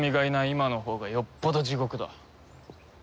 今のほうがよっぽど地獄だ。